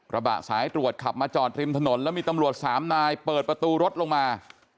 ระบะสายตรวจขับมาจอดริมถนนแล้วมีตำรวจสามนายเปิดประตูรถลงมา